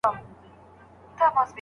زه يې نور نه کوم، په تياره انتظار